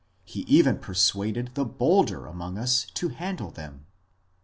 He even persuaded the bolder among us to handle them.